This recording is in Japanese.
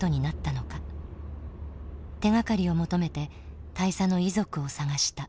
手がかりを求めて大佐の遺族を探した。